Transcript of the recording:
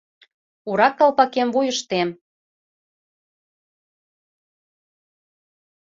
Урак калпакем вуйыштем